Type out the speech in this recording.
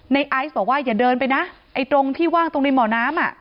ไอซ์บอกว่าอย่าเดินไปนะไอ้ตรงที่ว่างตรงริมบ่อน้ำอ่ะ